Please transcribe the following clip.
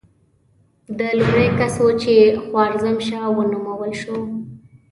ده لومړی کس و چې خوارزم شاه ونومول شو.